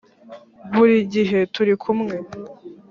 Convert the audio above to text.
buri gihe turi kumwe